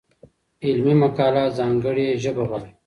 علمي مقاله ځانګړې ژبه غواړي.